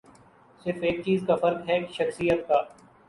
صرف ایک چیز کا فرق ہے، شخصیت کا۔